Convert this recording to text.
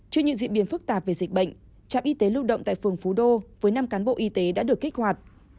trước những diễn biến phức tạp về dịch bệnh trạm y tế lưu động tại phường phú đô với năm cán bộ y tế đã được kích hoạt